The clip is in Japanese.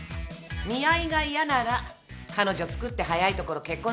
見合いが嫌なら彼女つくって早いところ結婚すんのね。